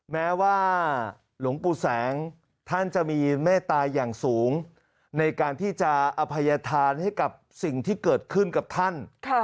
แม้ว่าหลวงปู่แสงท่านจะมีเมตตาอย่างสูงในการที่จะอภัยธานให้กับสิ่งที่เกิดขึ้นกับท่าน